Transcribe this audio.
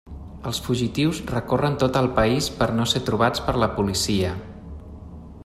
Els fugitius recorren tot el país per no ser trobats per la policia.